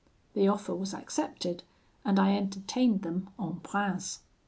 The offer was accepted, and I entertained them en prince.